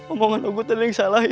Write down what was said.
omongan ogut tadi yang salah ya